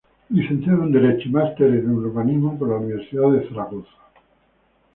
Licenciado en Derecho y Master en Urbanismo por la Universidad de Zaragoza.